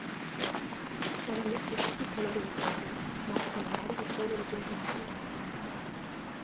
Sono ammessi tutti i colori uniformi, ma raccomandabili solo le tinte scure.